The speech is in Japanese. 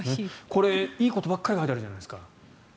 これ、いいことばっかり書いてあるじゃないですか。